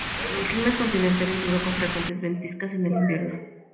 El clima es continental y duro, con frecuentes ventiscas en el invierno.